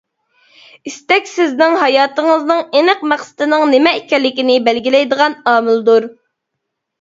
ئىستەك سىزنىڭ ھاياتىڭىزنىڭ ئېنىق مەقسىتىنىڭ نېمە ئىكەنلىكىنى بەلگىلەيدىغان ئامىلدۇر.